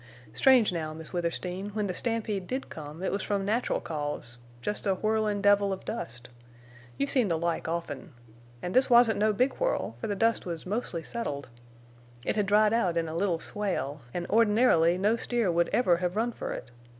Strange now, Miss Withersteen, when the stampede did come it was from natural cause—jest a whirlin' devil of dust. You've seen the like often. An' this wasn't no big whirl, fer the dust was mostly settled. It had dried out in a little swale, an' ordinarily no steer would ever hev run fer it.